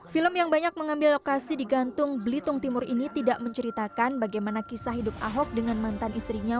film yang banyak mengambil lokasi di gantung belitung timur ini tidak menceritakan bagaimana kisah hidup ahok dengan mantan istrinya